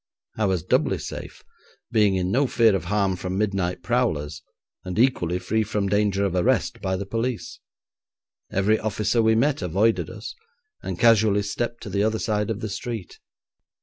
I was doubly safe, being in no fear of harm from midnight prowlers, and equally free from danger of arrest by the police. Every officer we met avoided us, and casually stepped to the other side of the street.